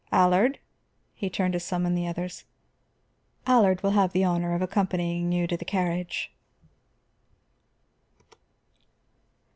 Allard," he turned to summon the others, "Allard will have the honor of accompanying you to the carriage."